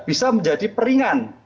bisa menjadi peringan